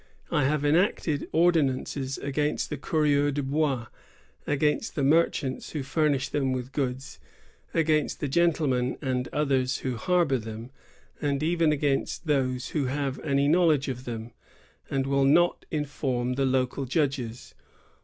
I have enacted ordinances against the coureurs de hois ; against the merchants who furnish them with goods ; against the gentlemen and others who harbor them ; and even against those who have any knowledge of them, and will not inform the local judges.